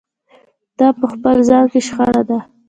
دا په خپل ځان کې شخړه ده.